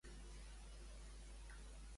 Però, què li va passar a Epuló?